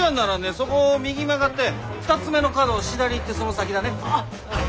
そこを右に曲がって２つ目の角を左行ってその先だね。